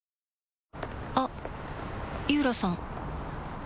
あっ井浦さん